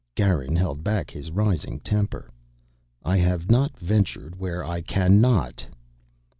Garin held back his rising temper. "I have not ventured where I can not."